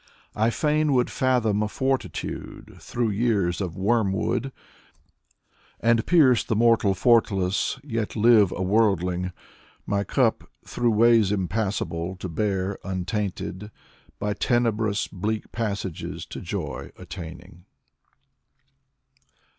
I fain would fathom fortitude Through years of wormwood — And pierce the mortal fortalice, Yet live, a worjdling. My cup, through ways impassable, To bear, untainted ; By tenebrous bleak passages To joy attaining.